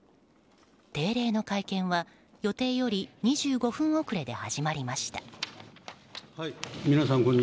定例の会見は予定より２５分遅れで始まりました。